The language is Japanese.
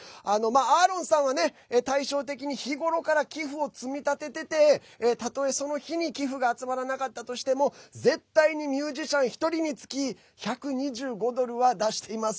アーロンさんは、対照的に日頃から寄付を積み立ててたとえ、その日に寄付が集まらなかったとしても絶対にミュージシャン１人につき１２５ドルは出しています。